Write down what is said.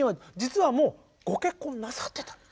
実はもうご結婚なさってた。